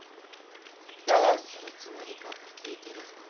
どうするつもりかって聞いてるの。